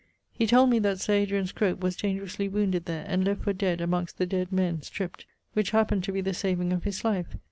He told me that Sir Adrian Scrope was dangerously wounded there, and left for dead amongst the dead men, stript; which happened to be the saving of his life.